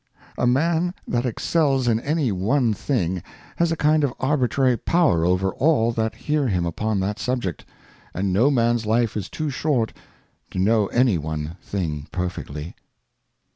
A Man that excels in any one thing has a kind of arbitrary Power over all that hear him upon that Subject, and no Man's Life is too short to know any one thing perfectly.